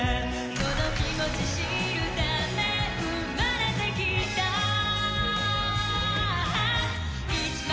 この気持ち知るため生まれてきた